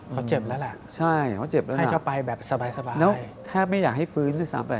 เขาเจ็บแล้วแหละให้เขาไปแบบสบายใช่เขาเจ็บแล้วแล้วแทบไม่อยากให้ฟื้นสำหรับ